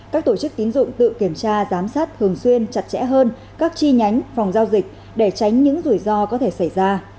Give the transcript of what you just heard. các tổ chức tín dụng tự kiểm tra giám sát thường xuyên chặt chẽ hơn các chi nhánh phòng giao dịch để tránh những rủi ro có thể xảy ra